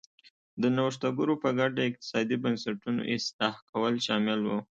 د نوښتګرو په ګټه اقتصادي بنسټونو اصلاح کول شامل و.